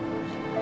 kamu tau gak sih